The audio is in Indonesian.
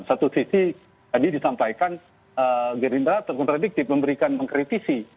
satu sisi tadi disampaikan gerindra terkontradiktif memberikan mengkritisi